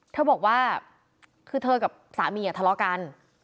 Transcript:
เธอบอกว่าคือเธอกับสามีทะเลาะกัน